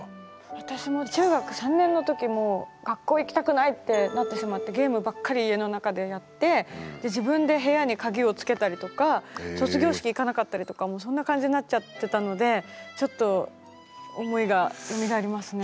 私も中学３年の時もう学校行きたくないってなってしまってゲームばっかり家の中でやってで自分で部屋に鍵をつけたりとか卒業式行かなかったりとかもうそんな感じになっちゃってたのでちょっと思いがよみがえりますね。